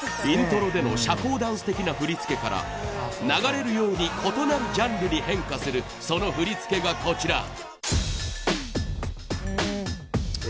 イントロでの社交ダンス的な振り付けから流れるように異なるジャンルに変化するその振り付けがこちら。